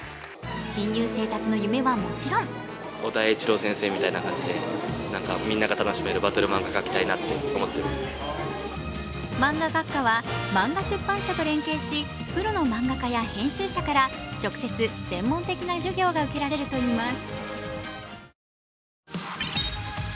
新入生たちの夢はもちろんマンガ学科は漫画出版社と連携しプロの漫画家や編集者から直接専門的な授業が受けられるといいます。